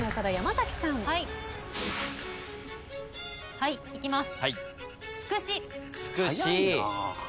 はいいきます。